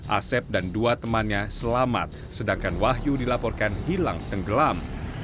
asep dan dua temannya selamat sedangkan wahyu dilaporkan hilang tenggelam